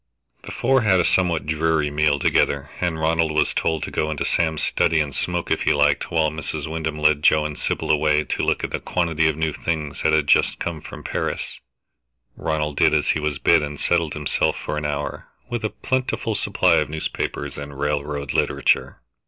The four had a somewhat dreary meal together, and Ronald was told to go into Sam's study and smoke if he liked, while Mrs. Wyndham led Joe and Sybil away to look at a quantity of new things that had just come from Paris. Ronald did as he was bid and settled himself for an hour, with a plentiful supply of newspapers and railroad literature.